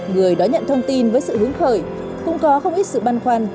người đó nhận thông tin với sự hướng khởi cũng có không ít sự băn khoăn